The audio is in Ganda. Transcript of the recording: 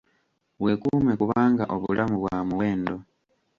Weekuume kubanga obulamu bwa muwendo.